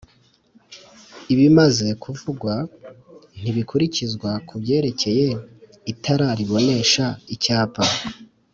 Ibimaze kuvugwa ntibikurikizwa ku byerekeye itara ribonesha icyapa